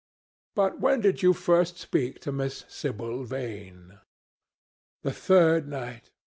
But when did you first speak to Miss Sibyl Vane?" "The third night.